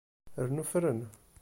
Rnu fren.